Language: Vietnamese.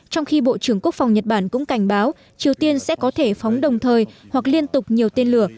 trong khi bộ trưởng quốc phòng nhật bản cũng cảnh báo triều tiên sẽ có thể phóng đồng thời hoặc liên tục nhiều tên lửa